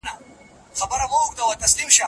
مرغۍ الوتله او وارث ورته نښه نیولې وه.